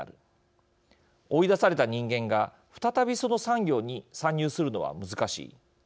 追い出された人間が再びその産業に参入するのは難しい。